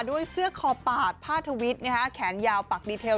ด้วยเสื้อคอปาดผ้าทวิตแขนยาวปักดีเทล